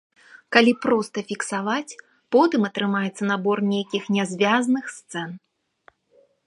Калі проста фіксаваць, потым атрымаецца набор нейкіх нязвязных сцэн.